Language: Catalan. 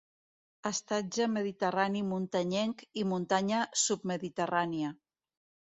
Estatge mediterrani muntanyenc i muntanya submediterrània.